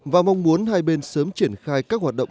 và mong muốn hai bên sớm triển khai các hoạt động